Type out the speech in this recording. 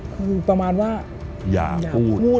คือประมาณว่าอย่าพูด